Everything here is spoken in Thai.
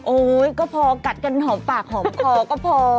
โอ้ยก็พอกัดกันหอมปากหอมคอก็พอ